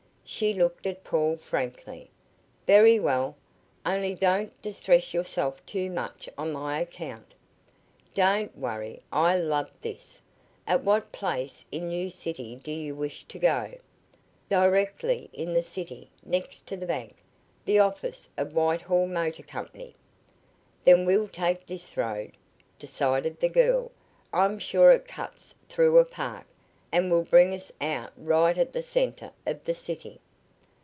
She looked at Paul frankly. "Very well. Only don't distress yourself too much on my account." "Don't worry. I love this. At what place in New City do you wish to go?" "Directly in the center, next to the bank. The office of the Whitehall Motor Company." "Then we'll take this road," decided the girl. "I'm sure it cuts through a park, and will bring us out right at the center of the city."